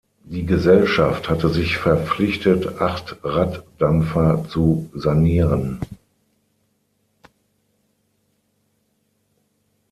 Die Gesellschaft hatte sich verpflichtet, acht Raddampfer zu sanieren.